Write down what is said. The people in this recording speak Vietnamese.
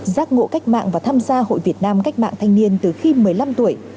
giác ngộ cách mạng và tham gia hội việt nam cách mạng thanh niên từ khi một mươi năm tuổi